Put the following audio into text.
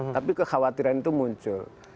tapi kekhawatiran itu muncul